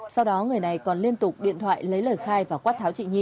sau đó người này còn liên tục điện thoại lấy lời khai và quát tháo chị nhi